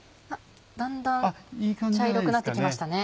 だんだん茶色くなって来ましたね。